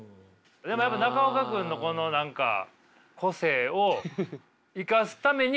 でもやっぱ中岡君のこの何か個性を生かすためにコントも。